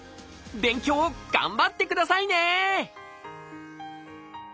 勉強頑張ってくださいね！